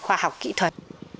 và học kỹ thuật